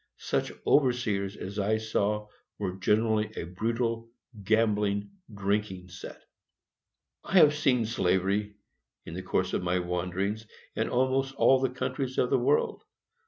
Such overseers as I saw were generally a brutal, gambling, drinking set. I have seen slavery, in the course of my wanderings, in almost all the countries in the world.